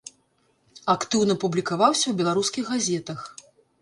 Актыўна публікаваўся ў беларускіх газетах.